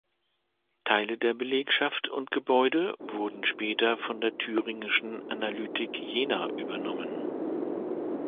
Teile der Belegschaft und Gebäude wurden später von der thüringischen "Analytik Jena" übernommen.